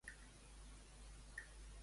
Qui és Jean-Claude Juncker?